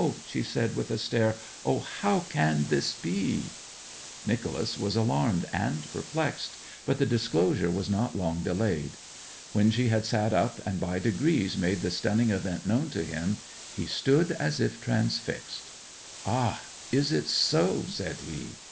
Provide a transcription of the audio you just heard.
she said, with a stare. 'O, how can this be?' Nicholas was alarmed and perplexed, but the disclosure was not long delayed. When she had sat up, and by degrees made the stunning event known to him, he stood as if transfixed. 'Ah is it so?' said he.